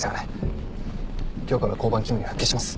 今日から交番勤務に復帰します。